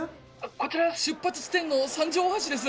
こちら出発地点の三条大橋です。